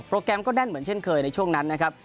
แกรมก็แน่นเหมือนเช่นเคยในช่วงนั้นนะครับ